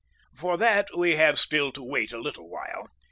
For that we have still to wait a little while.